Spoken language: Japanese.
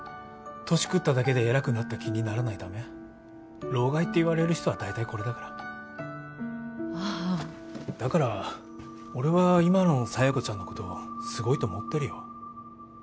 年くっただけで偉くなった気にならないため老害っていわれる人は大体これだからああだから俺は今の佐弥子ちゃんのことすごいと思ってるよ